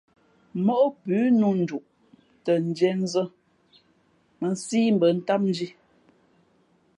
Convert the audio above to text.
Móʼ pʉ̌ nnū nduʼ tα ndīē nzᾱ mᾱnsí mbα̌ ntám ndhī.